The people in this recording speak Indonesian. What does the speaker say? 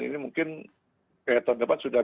ini mungkin kayak tahun depan sudah